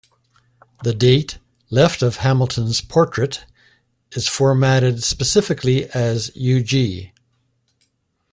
The date, left of Hamilton's portrait, is formatted specifically as ug.